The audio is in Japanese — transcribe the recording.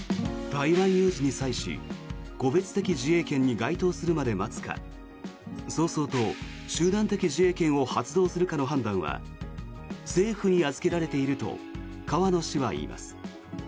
台湾有事に際し個別的自衛権に該当するまで待つか早々と集団的自衛権を発動するかの判断は政府に預けられていると河野氏は言います。